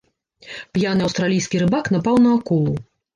П'яны аўстралійскі рыбак напаў на акулу.